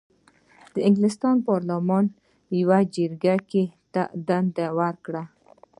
د انګلستان پارلمان یوې جرګه ګۍ ته دنده ورکړه.